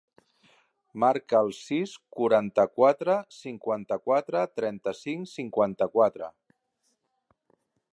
Marca el sis, quaranta-quatre, cinquanta-quatre, trenta-cinc, cinquanta-quatre.